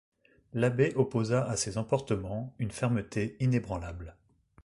L’abbé opposa à ses emportements une fermeté inébranlable.